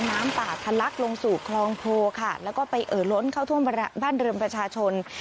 น้ำป่าทะลักลงสู่คลองโพค่ะแล้วก็ไปเอ่อล้นเข้าท่วมบ้านเรือนประชาชน